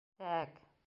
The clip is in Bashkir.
— Тә-әк.